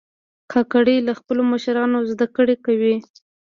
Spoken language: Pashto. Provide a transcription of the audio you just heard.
کاکړي له خپلو مشرانو زده کړه کوي.